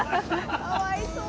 かわいそう。